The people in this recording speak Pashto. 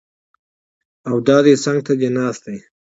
او دا دی څنګ ته دې ناست دی!